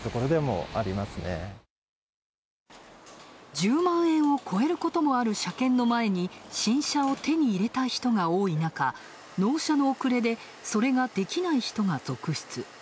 １０万円を超えることもある車検の前に、新車を手に入れた人が多い中、納車の遅れで、それができない人が続出。